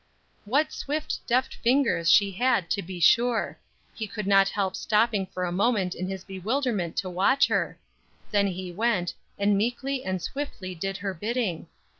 What swift deft fingers she had to be sure. He could not help stopping for a moment in his bewilderment to watch her; then he went, and meekly and swiftly did her bidding.